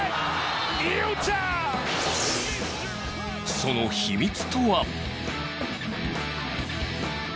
その秘密とは？